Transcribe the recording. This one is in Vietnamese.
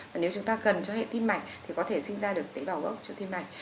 và nếu chúng ta cần cho hệ tim mạch thì có thể sinh ra được tế bào gốc cho tim này